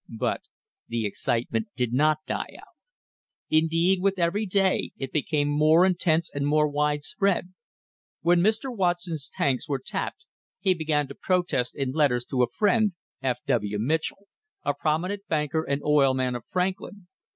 But the excitement did not die out. Indeed, with every day it became more intense and more wide spread. When Mr. Watson's tanks were tapped he began to protest THE HISTORY OF THE STANDARD OIL COMPANY in letters to a friend, F. W. Mitchell, a prominent banker and oil man of Franklin.